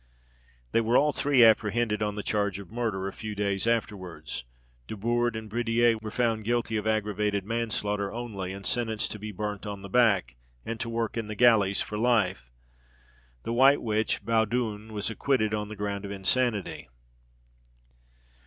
They were all three apprehended on the charge of murder a few days afterwards. Desbourdes and Bridier were found guilty of aggravated manslaughter only, and sentenced to be burnt on the back, and to work in the galleys for life. The white witch Baudouin was acquitted on the ground of insanity.